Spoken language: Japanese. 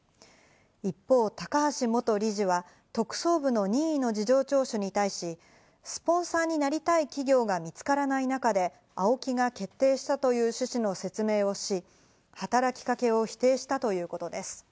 一方、高橋元理事は特捜部の任意の事情聴取に対し、スポンサーになりたい企業が見つからない中でＡＯＫＩが決定したという趣旨の説明をし、働きかけを否定したということです。